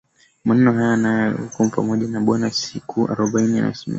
maneno haya naye alikuwa huko pamoja na Bwana siku arobaini na masiku yake